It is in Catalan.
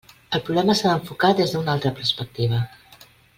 El problema s'ha d'enfocar des d'una altra perspectiva.